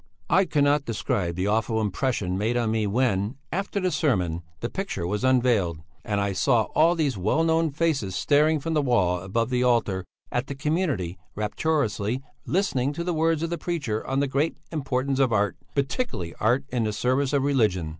I cannot describe the awful impression made on me when, after the sermon, the picture was unveiled, and I saw all these well known faces staring from the wall above the altar at the community rapturously listening to the words of the preacher on the great importance of art, particularly art in the service of religion.